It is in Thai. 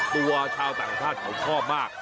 ตัวชาวต่างชาวท่อมาก